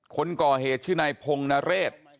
คนก่อเหตุชื่อนายพงนเรศ